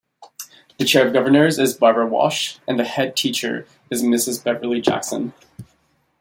The Chair of Governors is Barbara Walsh and the Headteacher is Mrs Beverley Jackson.